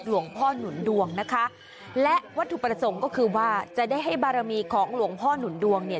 หลวงพ่อหนุนดวงนะคะและวัตถุประสงค์ก็คือว่าจะได้ให้บารมีของหลวงพ่อหนุนดวงเนี่ย